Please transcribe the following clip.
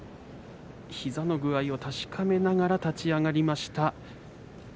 膝の具合を確かめながら立ち上がりました。